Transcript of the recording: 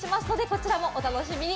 こちらもお楽しみに。